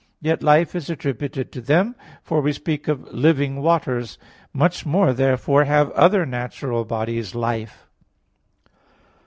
Yet life is attributed to them, for we speak of "living waters." Much more, therefore, have other natural bodies life.